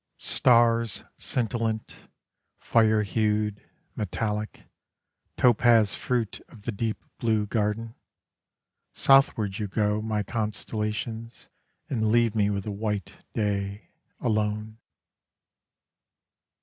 Stars scintillant, fire hued, metallic, Topaz fruit of the deep blue garden: Southward you go, my constellations, And leave me with the white day, alone.